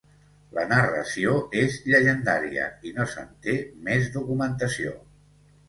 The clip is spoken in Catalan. La narració és llegendària i no se'n té més documentació.